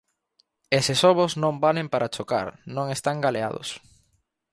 Eses ovos non valen para chocar, non están galeados